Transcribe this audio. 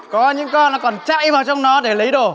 có những con nó còn chạy vào trong nó để lấy đồ